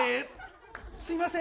すいません。